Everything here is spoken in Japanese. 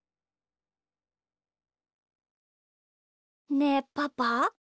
ねえパパ。